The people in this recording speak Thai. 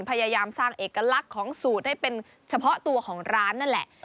พยายามสร้างเอกลักษณ์ของสูตรให้เป็นเฉพาะตัวของร้านนั่นแหละ